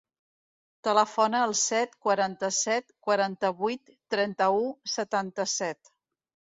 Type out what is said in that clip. Telefona al set, quaranta-set, quaranta-vuit, trenta-u, setanta-set.